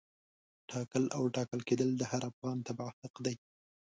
ټاکل او ټاکل کېدل د هر افغان تبعه حق دی.